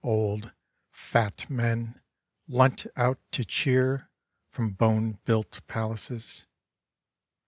Old, fat men leant out to cheer From bone built palaces.